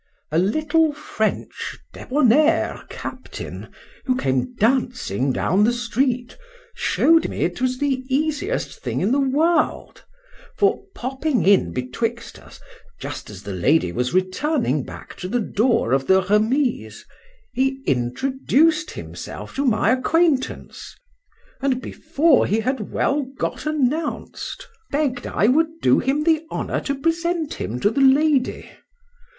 A little French débonnaire captain, who came dancing down the street, showed me it was the easiest thing in the world: for, popping in betwixt us, just as the lady was returning back to the door of the Remise, he introduced himself to my acquaintance, and before he had well got announced, begg'd I would do him the honour to present him to the lady.